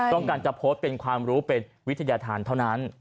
ต้องการจะโพสต์เป็นความรู้เป็นวิทยาธารเท่านั้น